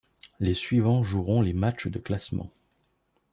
Les suivants joueront les matchs de classement.